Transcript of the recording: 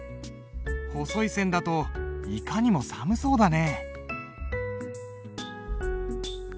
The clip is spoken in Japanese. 細い線だといかにも寒そうだね。